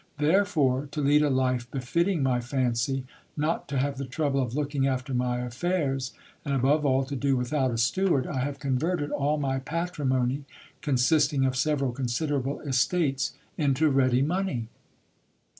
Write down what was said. Therefore, to lead a life befitting my fancy, not to have the trouble of looking after my affairs, and above all to do without a steward, I have converted all my patrimony, consisting of several considerable estates, into ready money.